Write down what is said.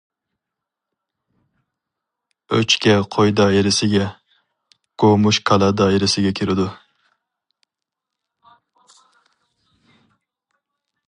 ئۆچكە قوي دائىرىسىگە، گومۇش كالا دائىرىسىگە كىرىدۇ.